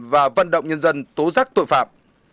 và vận động nhân dân tố rắc tội phạm